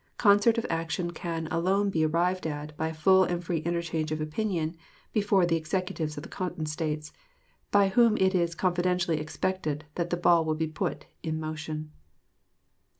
Concert of action can alone be arrived at by a full and free interchange of opinion between the Executives of the Cotton States, by whom it is confidently expected that the ball will be put in motion.